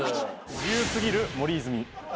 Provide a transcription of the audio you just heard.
自由過ぎる森泉。